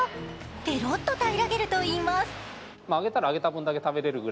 ペロッと平らげるといいます。